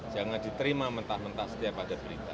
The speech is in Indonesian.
jangan diterima mentah mentah setiap ada berita